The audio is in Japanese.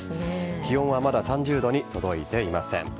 気温はまだ３０度に届いていません。